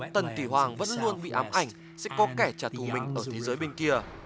tần tỷ hoàng vẫn luôn bị ám ảnh sẽ có kẻ trả thù mình ở thế giới bên kia